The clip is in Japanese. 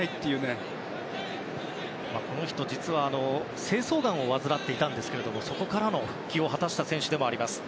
アチェルビは、実は精巣がんを患っていたんですがそこから復帰を果たした選手でもあります。